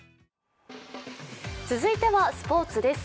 続いてはスポーツです。